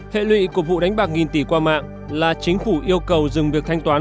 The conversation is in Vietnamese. hệ lụy của vụ đánh bạc nghìn tỷ qua mạng là chính phủ yêu cầu dừng việc thanh toán